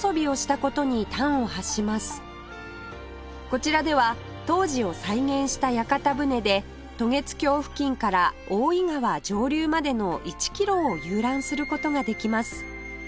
こちらでは当時を再現した屋形船で渡月橋付近から大堰川上流までの１キロを遊覧する事ができます